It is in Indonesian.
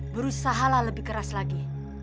berusahalah lebih keras lagi